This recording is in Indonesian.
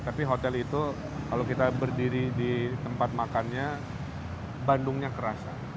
tapi hotel itu kalau kita berdiri di tempat makannya bandungnya kerasa